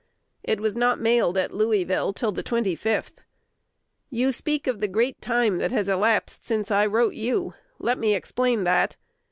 It was not mailed at Louisville till the 25th. You speak of the great time that has elapsed since I wrote you. Let me explain that.